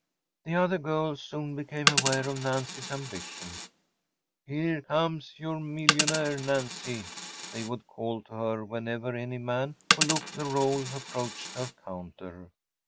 The other girls soon became aware of Nancy’s ambition. “Here comes your millionaire, Nancy,‚ÄĚ they would call to her whenever any man who looked the r√īle approached her counter.